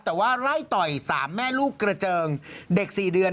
แต่ว่าไล่ต่อย๓แม่ลูกกระเจิงเด็ก๔เดือน